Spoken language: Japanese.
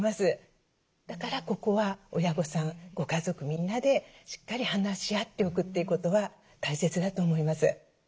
だからここは親御さんご家族みんなでしっかり話し合っておくってことは大切だと思います。